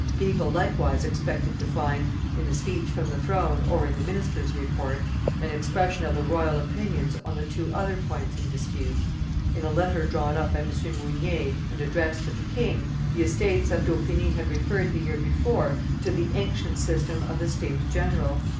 People likewise expected to find, in the speech from the throne or in the minister's report, an expression of the royal opinions on the two other points in dispute. In a letter drawn up by M. Mounier and addressed to the king, the estates of Dauphiny had referred, the year before, to the ancient custom of the States general.